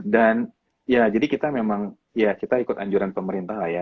dan ya jadi kita memang ya kita ikut anjuran pemerintah ya